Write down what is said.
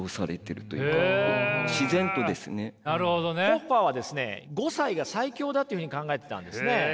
ホッファーはですね５歳が最強だというふうに考えてたんですね。